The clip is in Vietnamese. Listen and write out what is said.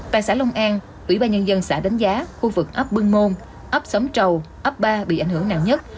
tại xã long an ủy ban nhân dân xã đánh giá khu vực ấp bưng môn ấp xóm trầu ấp ba bị ảnh hưởng nặng nhất